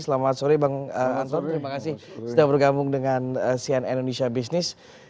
selamat sore bang ansor terima kasih sudah bergabung dengan cn indonesia business